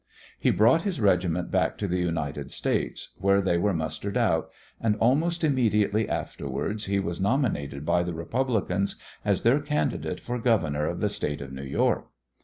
He brought his regiment back to the United States, where they were mustered out, and almost immediately afterwards he was nominated by the Republicans as their candidate for governor of the State of New York.